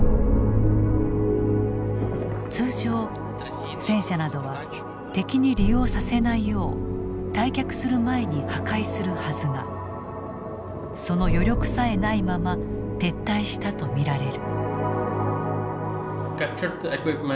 通常戦車などは敵に利用させないよう退却する前に破壊するはずがその余力さえないまま撤退したと見られる。